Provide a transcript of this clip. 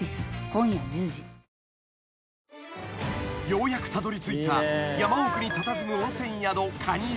［ようやくたどりついた山奥にたたずむ温泉宿］